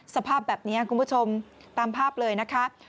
สภาพแบบนี้คุณผู้ชมตามภาพเลยนะคะ